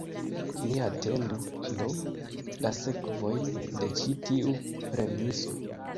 Ni atendu, do, la sekvojn de ĉi tiu premiso.